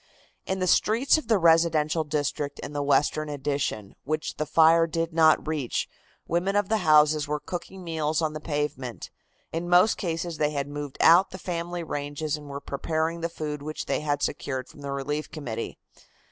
In the streets of the residential district in the western addition, which the fire did not reach, women of the houses were cooking meals on the pavement. In most cases they had moved out the family ranges, and were preparing the food which they had secured from the Relief Committee.